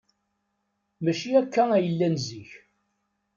Maci akka ay llan zik.